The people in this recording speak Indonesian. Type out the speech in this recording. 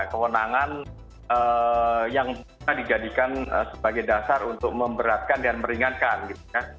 kewenangan yang bisa dijadikan sebagai dasar untuk memberatkan dan meringankan